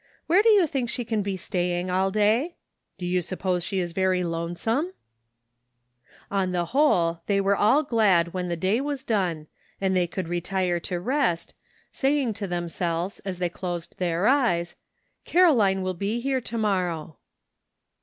"Where do you think she can be staying all day?" " Do you suppose she is very lonesome ?" On the whole, they were all glad when the day was done, and they could retire to rest, saying to themselves as they closed their eyes, " Caroline will be here to morrow."